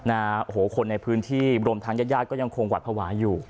โอ้โหคนในพื้นที่รวมทางญาติญาติก็ยังคงหวัดภาวะอยู่